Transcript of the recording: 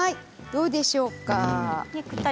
どうでしょうか？